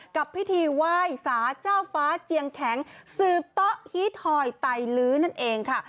กับพิธีไหว้สาเจ้าฟ้าเจียงแข็งสืบโต๊ะฮีทหอยไตลื้อนั่นเองค่ะ